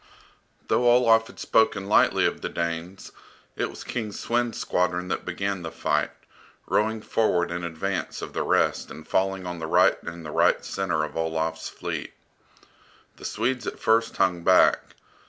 Though Olaf had spoken lightly of the Danes, it was King Svend's squadron that began the fight, rowing forward in advance of the rest and falling on the right and right centre of Olaf's fleet. The Swedes at first hung back.